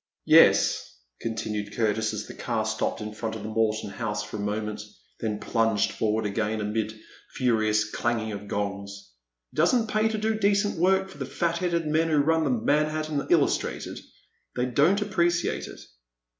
Yes," continued Curtis, as the car stopped in front of the Morton House for a moment, then plunged forward again amid a furious clanging of gongs, it does n't pay to do decent work for the fat headed men who run the Manhattan Illustrated. They don't appreciate it."